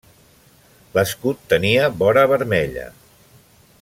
L'escut tenia vora vermella.